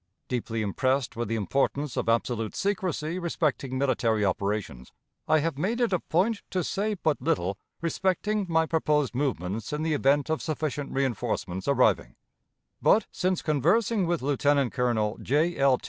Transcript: Deeply impressed with the importance of absolute secrecy respecting military operations, I have made it a point to say but little respecting my proposed movements in the event of sufficient reënforcements arriving, but, since conversing with Lieutenant Colonel J. L.